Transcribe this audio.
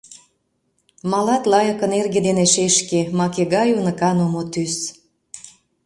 Малат лайыкын эрге ден шешке, маке гай уныкан омо тӱс.